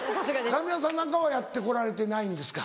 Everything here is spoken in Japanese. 神谷さんなんかはやって来られてないんですか？